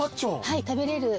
はい食べれる。